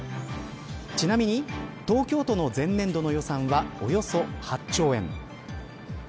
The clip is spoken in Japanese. ちなみに東京都の前年度の予算はおよそ８兆円。